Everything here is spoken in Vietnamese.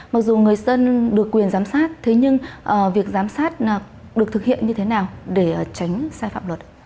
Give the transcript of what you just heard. mặc dù người dân được quyền giám sát thế nhưng việc giám sát được thực hiện như thế nào để tránh sai phạm luật